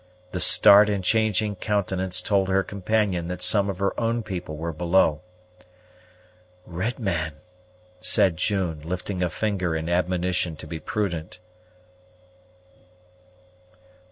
The start and changing countenance told her companion that some of her own people were below. "Red man," said June, lifting a finger in admonition to be prudent.